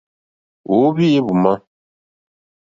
Ò óhwī éhwùmà.